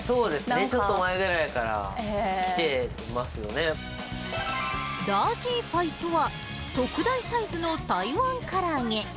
ダージーパイとは、特大サイズの台湾から揚げ。